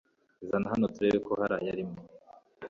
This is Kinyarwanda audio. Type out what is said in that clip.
zana hano turebe ko harayarimo